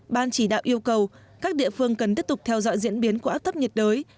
ban chỉ đạo yêu cầu các địa phương cần tiếp tục theo dõi diễn biến của áp thấp nhiệt đới